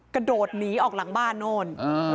กระโดดหนีออกหลังบ้านโน่น